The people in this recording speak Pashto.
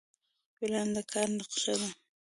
پلان د کار نقشه ده